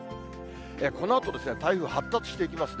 このあと、台風発達していきますね。